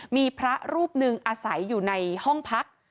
มีพระรูปหนึ่งอาศัยอยู่ในห้องพัก